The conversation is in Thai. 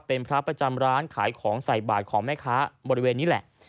เป็นพระประจำร้านขายของใส่บาทของแม่ค้าบริเวณนี้แหละ